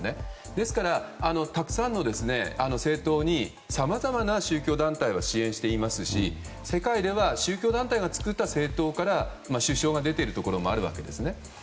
ですから、たくさんの政党にさまざまな宗教団体が支援していますし世界では宗教団体が作った政党から首相が出ているところもあるわけです。